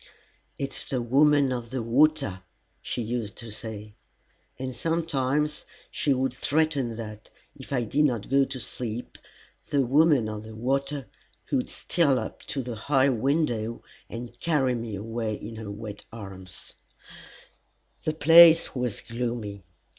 "It's the Woman of the Water," she used to say; and sometimes she would threaten that if I did not go to sleep the Woman of the Water would steal up to the high window and carry me away in her wet arms. [Illustration: F. Hopkinson Smith] The place was gloomy.